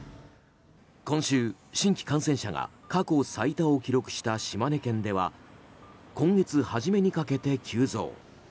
今週、新規感染者が過去最多を記録した島根県では今月初めにかけて急増。